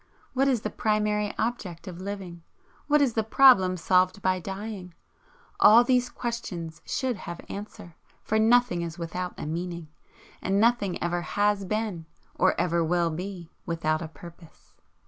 What is the primary object of Living? What is the problem solved by Dying? All these questions should have answer, for nothing is without a meaning, and nothing ever HAS BEEN, or ever WILL BE, without a purpose?